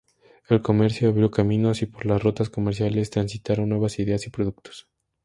El comercio abrió caminos y por las rutas comerciales transitaron nuevas ideas y productos.